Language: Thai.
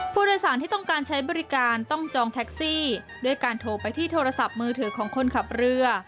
ผู้โดยสารที่ต้องการใช้บริการต้องจองแท็กซี่ด้วยการโทรไปที่โทรศัพท์มือถือของคนขับเรือ